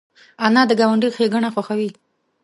انا د ګاونډي ښېګڼه خوښوي